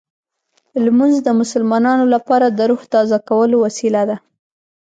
لمونځ د مسلمانانو لپاره د روح تازه کولو وسیله ده.